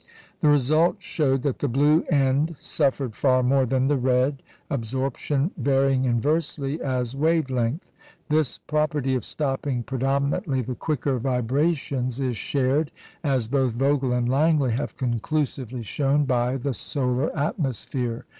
The result showed that the blue end suffered far more than the red, absorption varying inversely as wave length. This property of stopping predominantly the quicker vibrations is shared, as both Vogel and Langley have conclusively shown, by the solar atmosphere.